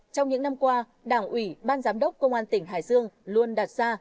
trong những năm qua đảng ủy ban giám đốc công an tỉnh hải dương luôn đặt ra